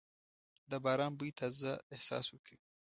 د باران بوی تازه احساس ورکوي.